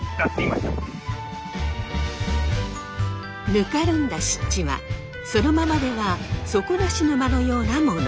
ぬかるんだ湿地はそのままでは底なし沼のようなもの。